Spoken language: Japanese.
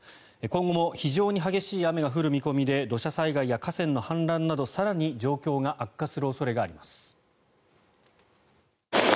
今後も非常に激しい雨が降る見込みで土砂災害や河川の氾濫など更に状況が悪化する恐れがあります。